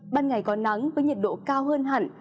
ban ngày có nắng với nhiệt độ cao hơn hẳn